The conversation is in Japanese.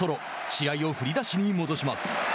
試合を振り出しに戻します。